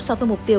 so với mục tiêu